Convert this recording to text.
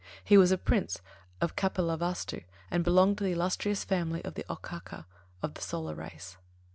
He was Prince of Kapilavāstu and belonged to the illustrious family of the Okkāka, of the Solar race.